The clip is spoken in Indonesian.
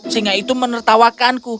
singa itu menertawakanku